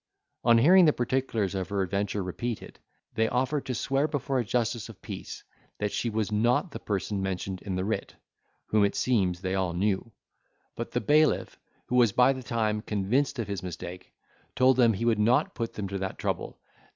On hearing the particulars of her adventure repeated, they offered to swear before a justice of peace that she was not the person mentioned in the writ, whom, it seems, they all knew; but the bailiff, who was by the time convinced of his mistake, told them he would not put them to that trouble.